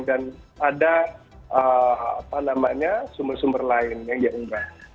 dan ada sumber sumber lain yang dia unggah